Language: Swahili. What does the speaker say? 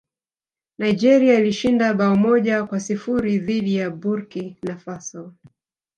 nigeria ilishinda bao moja kwa sifuri dhidi ya burki na faso